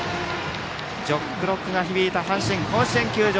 「ジョックロック」が響いた阪神甲子園球場。